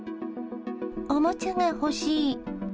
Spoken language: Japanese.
おもちゃが欲しい。